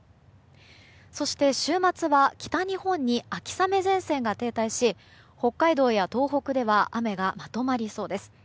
そして週末は北日本に秋雨前線が停滞し北海道や東北では雨がまとまりそうです。